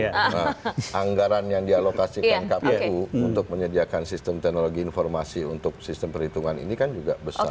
karena anggaran yang dialokasikan kpu untuk menyediakan sistem teknologi informasi untuk sistem perhitungan ini kan juga besar